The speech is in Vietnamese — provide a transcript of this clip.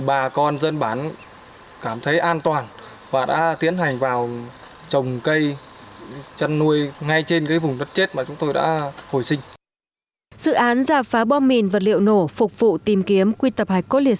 và xử lý thành công hàng chục tấn bom mìn vật liệu nổ trả lại mỏ xanh cho đất